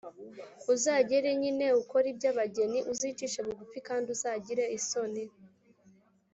uzagere nyine, ukore iby’abageni, uzicishe bugufi, kandi uzagire isoni,